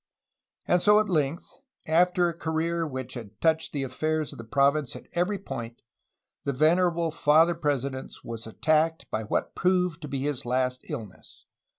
And so at length, after a career which had touched the affairs of the province at every point, the venerable Father President was attacked by what proved to be his last illness.